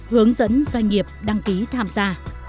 hướng dẫn doanh nghiệp đăng ký tham gia